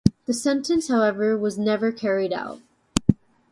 The sentence however was never carried out.